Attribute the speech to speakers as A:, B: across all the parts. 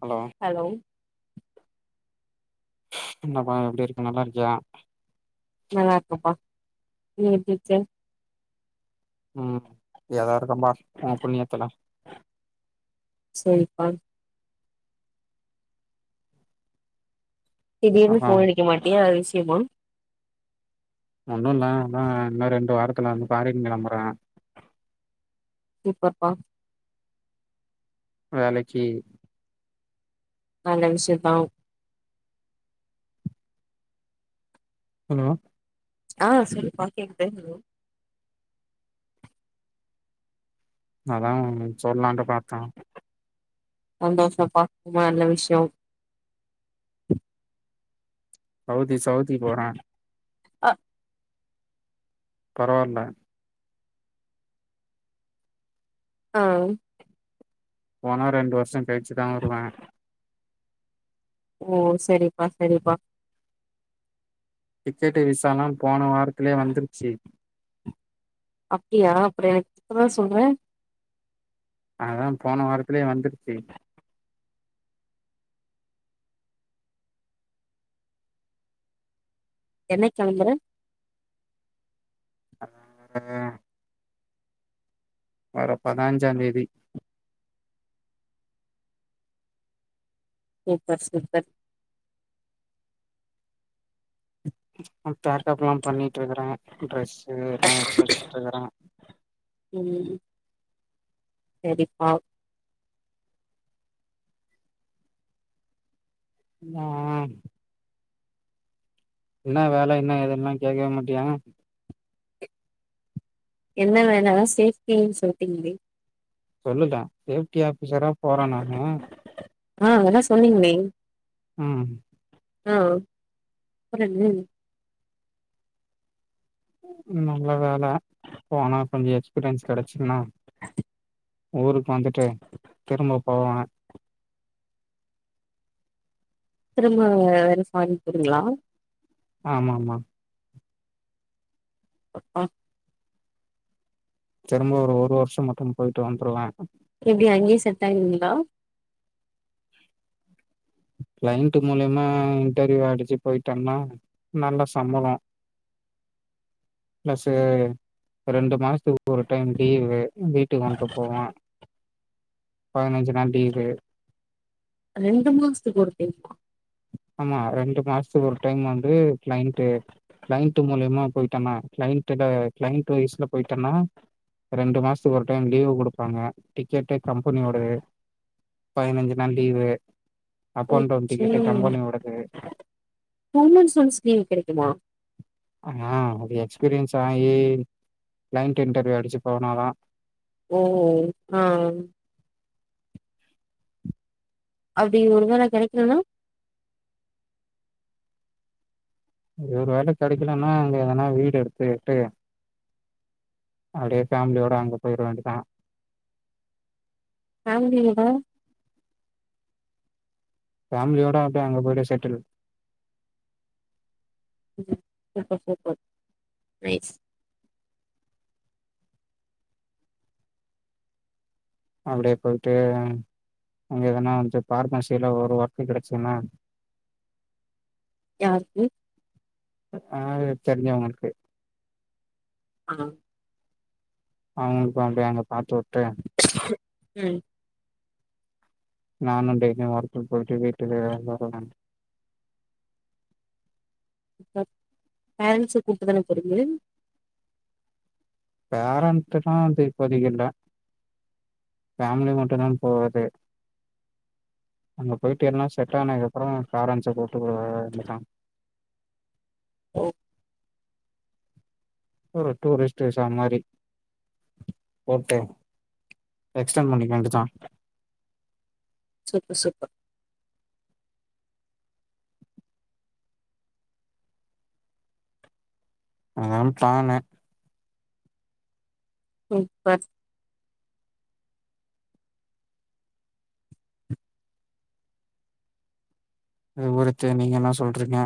A: Hello
B: hello
A: என்னப்பா எப்டி இருக்க நல்லா இருக்கியா
B: நல்லா இருக்கப்பா நீ எப்டி இருக்க
A: ம் ஏதா இருக்கம்பா உ புண்ணியத்துல
B: செரிப்பா திடீர்னு
A: அதா
B: ஃபோன் அடிக்க மாட்டியே எதாது விஷயமா
A: ஒன்னு இல்ல ஆனா இன்னு ரெண்டு வாரத்துல வந்து ஃபாரின் கிளம்புறே
B: சூப்பர்ப்பா
A: வேலைக்கி
B: நல்ல விஷ்யந்தா
A: ஹலோ
B: ஆ சொல்லிப்பா கேக்குது
A: அதா சொல்லான்ட்டு பாத்தோ
B: சந்தோஷப்பா ரொம்ப நல்ல விஷ்யோ
A: சவுதி சவுதி போற
B: அ
A: பரவாயில்ல
B: ஆ
A: போனா ரெண்டு வர்ஷ கழிச்சுதா வருவே
B: ஓ செரிப்பா செரிப்பா
A: டிக்கெட்டு விசாலா போன வாரத்துலயே வந்துருச்சு
B: அப்டியா அப்பறோ எனக்கு இப்பதா சொல்றே
A: அதெல்லா போன வாரத்திலேயே வந்துருச்சு
B: என்னைக் கலம்பர
A: [inaudible] வரப்போற அஞ்சாந்தேதி
B: சூப்பர் சூப்பர்
A: பேக்கப்லா பண்ணிட்டு இருக்கறே ட்ரெஸ்ஸு எல்லா எடுத்து வச்சுட்டு இருக்கறே
B: ம் செரிப்பா
A: ஆ என்ன வேல என்ன எதல்லா கேட்கவே மாட்டியா
B: என்ன வேல அதா சேஃப்டின்னு சொல்ட்டீங்களே
A: சொல்லுல சேஃப்டி ஆபீஸரா போறே நானு
B: ஆ அதா சொன்னீங்கே
A: ம்
B: ஆ அப்றோ என்ன
A: நல்ல வேல போனா கொஞ்சோ எக்ஸ்பீரியன்ஸ்ஸு கெடைச்சிதுன்னா ஊருக்கு வந்துட்டு திரும்ப போவனே
B: திரும்ப [unintelligible] ஃபாரின் போறீங்களா
A: ஆமா ஆமா
B: அ
A: திரும்ப ஒரு வருஷம் மட்டும் போயிட்டு வந்துருவே
B: எப்டி அங்கயே செட் ஆயிருவீங்ளா
A: க்ளைண்டு மூலியமா இன்டர்வியூ அடிச்சு போய்டிட்டம்னா நல்ல சம்ளோ ப்ளஸு ரெண்டு மாசத்துக்கு ஒரு டைம் லீவு வீட்டுக்கு வந்துன்ட்டு போவோ பதினஞ்சு நாள் லீவு
B: ரெண்டு மாசத்துக்கு ஒரு டைமா
A: ஆமா ரெண்டு மாசத்துக்கு ஒரு டைம் வந்து க்ளைண்டு க்ளைண்டு மூலியமா போயிட்டனா க்ளைண்டுட க்ளைண்டு வய்ஸ்ல போய்ட்டனா ரெண்டு மாசத்துக்கு ஒரு டைம் லீவு குடுப்பாங்க டிக்கெட்டு கம்பெனியோட பதினஞ்சு நாள் leave up and down
B: okay.
A: Ticket கம்பெனியோடது
B: டூ மந்ஸ் ஒன்ஸ் லீ்வு கெடைக்குமா
A: ஆமா ஒரு எக்ஸ்பீரியன்ஸ் ஆயி க்ளைன்ட் இன்டர்வியூ அடிச்சு போனாதா
B: ஓ ஆ அப்டி ஒரு வேள கெடைக்கலனா
A: ஒரு வேள கெடைக்கலனா அங்க எதனா வீடு எடுத்துட்டு அப்டியே ஃபேமிலியோட அங்க போயிற வேண்டிதா
B: ஃபேம்லியவா
A: ஃபேம்லியோட அப்டியே அங்க போய்ட்டு செட்டில்
B: ம் சூப்பர் சூப்பர் நைஸ்
A: அப்டியே போய்ட்டு அங்க எதனா வந்து பார்மசியில ஒரு ஒர்க்கு கெடச்சிதுன்ன
B: யார்க்கு
A: ஆ தெரிஞ்சவங்களுக்கு
B: அ
A: அவுங்களுக்கு அப்டியே அங்க பாத்து உட்டு
B: ம்
A: நானு டெய்லி வொர்க்குக் போய்ட்டு வீட்டுக்கு [unintelligible]
B: பேரண்ட்ஸ கூப்ட்டு தான போறீங்க
A: பேரண்ட்டுலா அது இப்போதிக்கு இல்ல ஃபேமிலி மட்டுந்தா போவுது அங்க போய்ட்டு எல்லா செட் ஆனக்கப்பறோ பேரண்ட்ஸ கூட்டு [unintelligible]
B: ஒ
A: ஒரு டூரிஸ்ட் விசா மாரி ஓகே எக்ஸ்டன் பண்ணிக்க வேண்டித்தா
B: சூப்பர் சூப்பர்
A: அதா ப்ளேனு
B: சூப்பர்
A: இது போல ட்ரெய்னிங்கெலா சொல்ருக்கே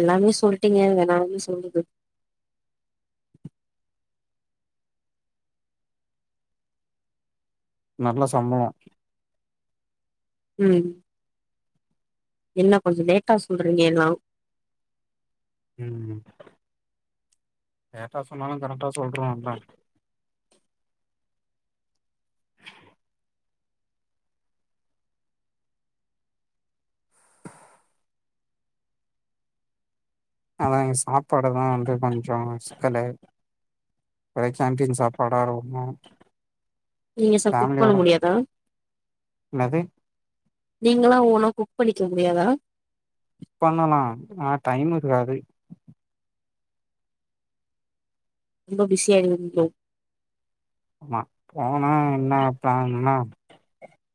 B: எல்லாமே சொல்ட்டீங்க வே நா என்ன சொல்றது
A: நல்ல சம்பளோ
B: ம் என்ன கொஞ்ச லேட்டா சொல்றீங்க எல்லா
A: ம் லேட்டா சொன்னாலு கரெக்டா சொல்றோ இல்ல அதா சாப்பாடு தா வந்து கொஞ்ச சிக்கலு ஒரே கேண்டின் சாப்பாடா இருக்கு
B: நீங்க ச குக் பண்ண
A: ஃபேமிலியோட
B: முடியாதா
A: என்னது
B: நீங்களா ஓனா குக் பண்ணிக்க முடியாதா
A: பண்ணலா ஆ டைமு இருக்காது
B: ரொம்ப பிஸி ஆயிருவீங்களோ
A: ஆமா போனா என்ன பிளான்னா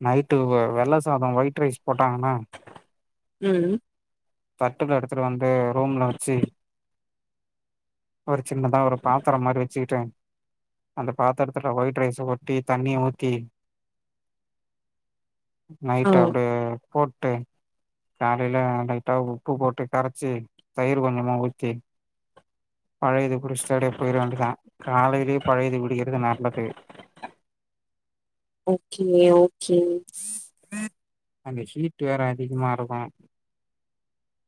A: நைட்டு வ வெள்ள சாதம் ஒயிட் ரைஸ் போட்டாங்கன்னா
B: ம்
A: தட்டுல எடுத்துட்டு வந்து ரூம்ல வச்சு ஒரு சின்னதா ஒரு பாத்திர மாரி வச்சுக்கிட்டு அந்த பாத்திரத்துல ஒயிட் ரைஸ் கொட்டி தண்ணிய ஊத்தி
B: ஆ.
A: நைட் அப்டியே போட்டு காலைல லைட்டா உப்பு போட்டு கரைச்சு தயிரு கொஞ்சமா ஊத்தி பழையது குடுச்சுட்டு அப்டியே போயிர வேண்டிதா காலைலேயே பழையது குடிக்கிறது நல்லது
B: ஓகே ஓகே
A: அங்க ஹீட் வேற அதிகமா இருக்கு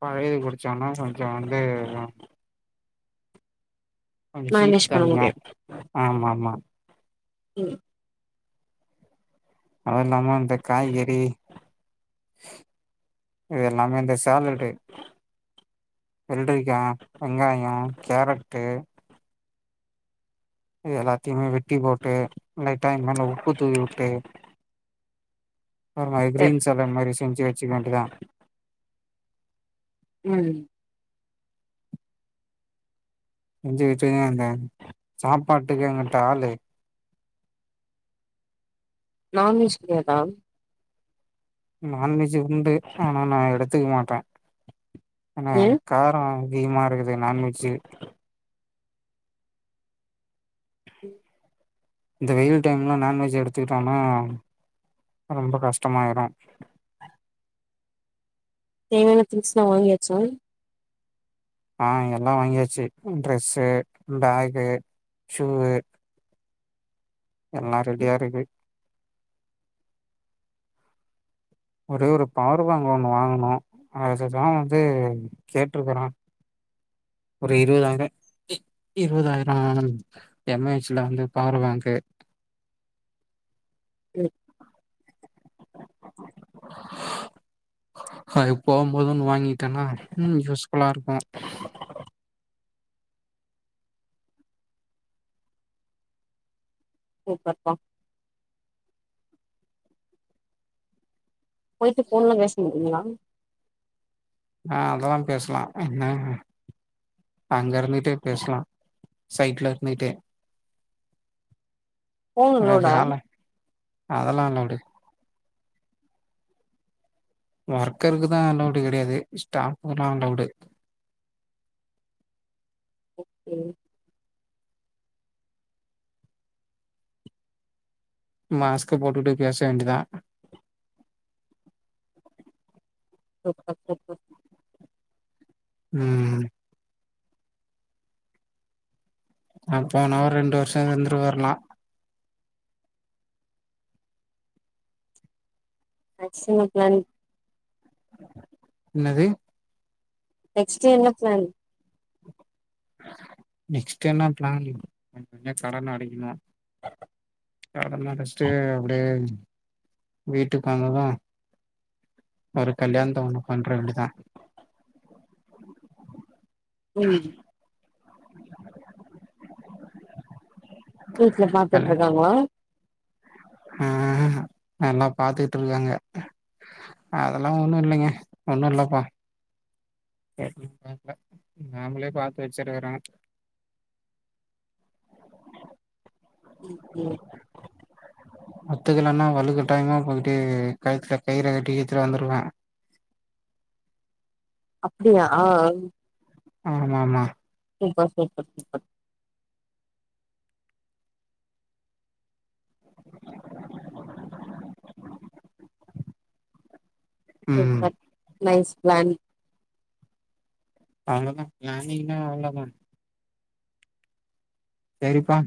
A: பழையிது குடிச்சோனா கொஞ்சோ வந்து கொஞ்ச ஹுட்டு
B: மேனேஜ் பண்ண
A: தனியு
B: முடியும்.
A: ஆமா ஆமா
B: ம்
A: அது இல்லாம அந்த காய்கறி இது எல்லாமே இந்த சாலடு வெள்ரிக்கா வெங்காயோ கேரட்டு இது எல்லாத்தையுமே வெட்டி போட்டு லைட்டாஇது மேல உப்பு தூவி வுட்டு ஒரு மாரி
B: சரி.
A: கிரீன் சால மாரி சென்ஞ்சு வச்சுக்க வேண்டிதா
B: ம்
A: எஞ்சுச்சக அந்த சாப்பாட்டுக்கு அங்குட்டு ஆளு
B: நான் வெஜ் கெடயாதா
A: நான்வெஜ் உண்டு ஆனா நா எடுத்துக்க மாட்டே ஏனா
B: ஏ
A: கார அதிகம இருக்குது நான்வெஜ்ஜு
B: ம்
A: இந்த வெயில் டைம்ல நான்வெஜ் எடுத்துக்கிட்டோனா ரொம்ப கஷ்டமாயிரு
B: தேவையான திங்ஸ்லா வாங்கியாச்சா
A: ஆ இங்க எல்லா வாங்கியாச்சு ட்ரெஸ்ஸு பேகு ஷுவு எல்லா ரெடியா இருக்கு ஒரே ஒரு பவர் பேங்க் ஒன்னு வாங்கணு அதுதா வந்து கேட்ருக்குறே ஒரு இருவதாயிர இருவதாயிரோ எம்ஏஹச் ல வந்து பவரு பாங்கு
B: ம்
A: அ போ போது ஒன்னு வாங்கி டனா யூஸ்ஃபுல்லா இருக்கு
B: சூப்பர் பா போயிட்டு ஃபோன்லா பேச முடியுங்களா
A: ஆஹ் அதெல்லா பேசலா என்ன அங்க இருந்துகிட்டே பேசலா சைட்ல இருந்துகிட்டே
B: ஃபோன்
A: அ
B: அலோடா
A: வேல அதுலா அதெல்லா விடு ஒர்க்கருக்கு தா அலவுடு கிடையாது ஸ்டாஃபுக்குல்லா அலவுடு
B: ஓகே
A: மாஸ்க்கு போட்டுட்டு பேச வேண்டியதுதா
B: [unintelligible]
A: ம் அ போன ஒரு ரெண்டு வருஷ இருந்துட்டு வரலா
B: [unintelligible]
A: என்னது
B: நெக்ஸ்டு என்ன பிளான்
A: நெக்ஸ்ட்டு என்ன பிளான் [unintelligible] கடன்ன அடைக்கணு
B: அ [unintelligible]
A: கடன அடிச்சிட்டு அப்டியே வீட்டுகுக்கு வந்தது ஒரு கல்யாணத்த ஒண்ணு பண்ற வேண்டிதா
B: ம்ம் வீட்டுல
A: கல்
B: பாத்துட்டு இருக்காங்களா
A: ஆ எல்லா பாத்துட்டு இருக்காங்க அதெல்லா ஒண்ணு இல்லிங்க ஒண்ணு இல்லப்பா [unintelligible] நாமளே பாத்து வச்சுருக்குறோ [unintelligible]
B: ம்ம்
A: [unintelligible] ஓத்துக்கலன்னா வழுக் கட்டாயமா போயிட்டு கழுத்துல கயிற கட்டி இழுத்துட்டு வந்துருவ
B: அப்டியா ஆ
A: ஆமா ஆமா
B: சூப்பர் சூப்பர் சூப்பர்
A: ம்
B: சூப்பர் நைஸ் ப்ளான்
A: அவ்ளதா பிளானிங்தா அவ்ளதா சரிப்பா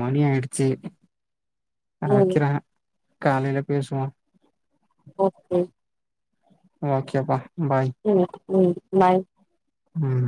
A: மணி ஆயிடுச்சு நா
B: ம்
A: வைக்கிற காலையில பேசுவோ
B: ஓகே
A: ஓகேப்பா பாய்
B: ம் ம் பாய்
A: ம்